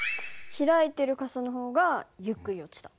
開いてる傘の方がゆっくり落ちた。